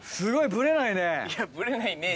ブレないね。